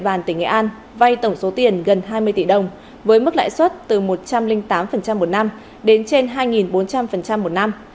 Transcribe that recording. cơ quan công an tỉnh nghệ an vay tổng số tiền gần hai mươi tỷ đồng với mức lãi suất từ một trăm linh tám một năm đến trên hai bốn trăm linh một năm